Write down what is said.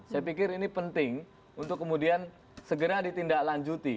saya pikir ini penting untuk kemudian segera ditindaklanjuti